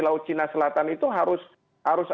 laut cina selatan itu harus